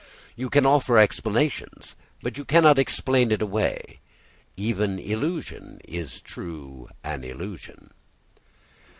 You can offer explanations but you cannot explain it away. Even illusion is true an illusion.